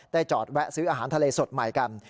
จอดแวะซื้ออาหารทะเลสดใหม่กัน